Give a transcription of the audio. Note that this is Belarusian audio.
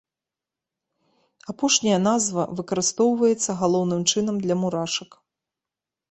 Апошняя назва выкарыстоўваецца, галоўным чынам, для мурашак.